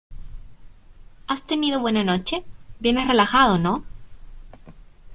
¿ has tenido buena noche? vienes relajado, ¿ no ?